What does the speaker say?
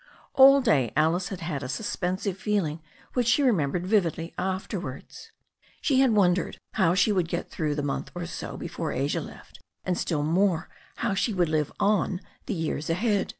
All day Alice had had a suspensive feeling which she remembered vividly afterwards. She had wondered how she would get through the month or so before Asia left, and still more how she would live on the years ahead.